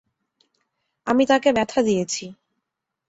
আমি তাকে ব্যথা দিয়েছি।